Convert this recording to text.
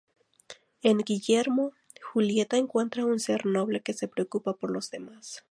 En Guillermo, Julieta encuentra un ser noble que se preocupa por los demás.